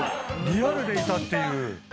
リアルでいたっていう。